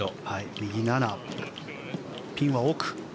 右７、ピンは奥。